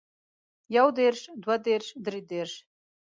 يو دېرش دوه دېرش درې دېرش